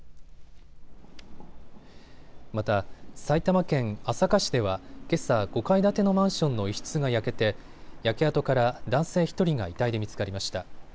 また埼玉県朝霞市ではけさ５階建てのマンションの一室が焼けて焼け跡から男性１人が遺体で見つかりました。